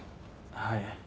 はい。